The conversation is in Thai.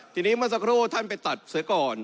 ทีนี้เมื่อสักครู่ท่านไปตัดเสือก่อน